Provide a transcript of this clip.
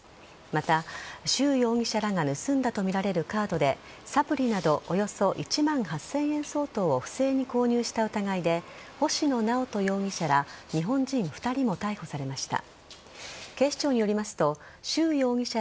また、シュウ容疑者らが盗んだとみられるカードでサプリなどおよそ１万８０００円相当を不正に購入した疑いで星野直人容疑者ら日本人２人も逮捕されました。